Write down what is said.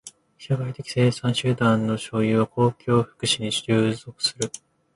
社会的生産手段の所有は公共の福祉に従属する。